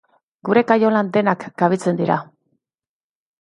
Gure kaiolan denak kabitzen dira.